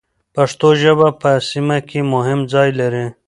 پښتو ژبه په سیمه کې مهم ځای لري.